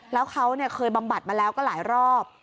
แล้วเขาเคยบำบัดมาแล้วก็หลายรอบ